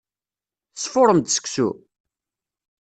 Tesfurrem-d seksu?